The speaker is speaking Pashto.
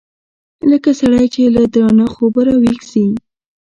لکه سړى چې له درانه خوبه راويښ سي.